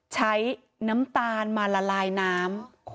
ใช้น้ำตาลมาละลายน้ำ